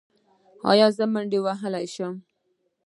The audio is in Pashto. ایا زه منډه وهلی شم؟